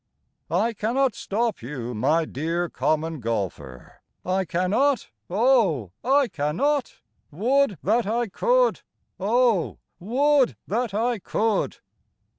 I cannot stop you, my dear Common Golfer, I cannot, O I cannot! Would that I could. O would that I could!